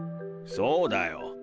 そうだよ。